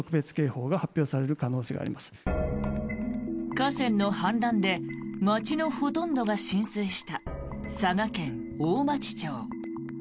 河川の氾濫で町のほとんどが浸水した佐賀県大町町。